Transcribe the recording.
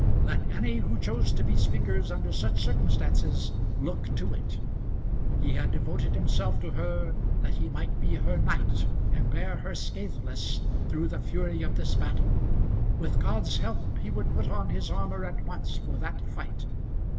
Let any who chose to be speakers under such circumstances look to it. He had devoted himself to her that he might be her knight and bear her scathless through the fury of this battle. With God's help he would put on his armour at once for that fight.